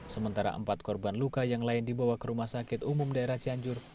sementara empat korban luka yang lain dibawa ke rumah sakit umum daerah cianjur